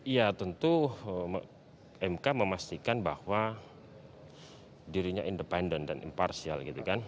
ya tentu mk memastikan bahwa dirinya independen dan imparsial